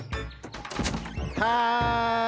はい。